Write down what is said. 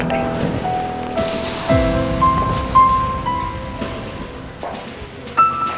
udah ke kamar